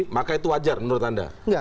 maka itu wajar menurut anda